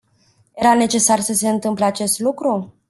Era necesar să se întâmple acest lucru?